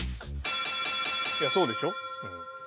いやそうでしょ？